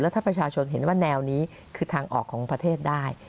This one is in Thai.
ถ้าประชาชนเห็นว่าแนวนี้คือทางออกของประเทศได้